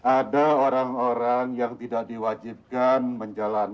ada orang orang yang tidak diwajibkan menjalankan